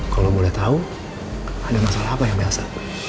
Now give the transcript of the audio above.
kalau lo boleh tahu ada masalah apa ya ma elsa